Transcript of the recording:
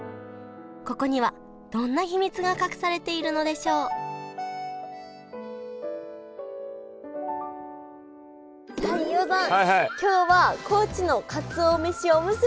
ここにはどんな秘密が隠されているのでしょうさあ飯尾さん。今日は高知のかつお飯おむすびです。